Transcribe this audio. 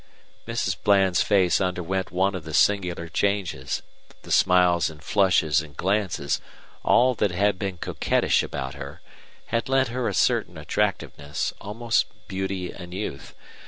Mrs. Bland's face underwent one of the singular changes. The smiles and flushes and glances, all that had been coquettish about her, had lent her a certain attractiveness, almost beauty and youth.